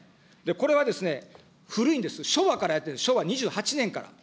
これは古いんです、昭和からやってるんです、昭和２８年から。